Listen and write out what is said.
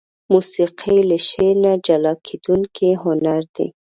موسيقي له شعر نه جلاکيدونکى هنر دى.